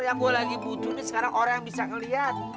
yang gue lagi butuh nih sekarang orang yang bisa ngeliat